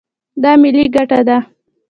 دا ملي ګټه ده.